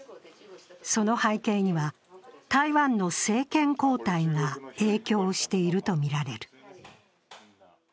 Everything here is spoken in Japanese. その背景には台湾の政権交代が影響しているとみられる。